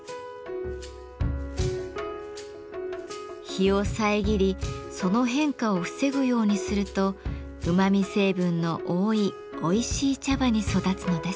日を遮りその変化を防ぐようにするとうまみ成分の多いおいしい茶葉に育つのです。